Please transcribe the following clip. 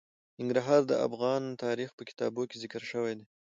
ننګرهار د افغان تاریخ په کتابونو کې ذکر شوی دي.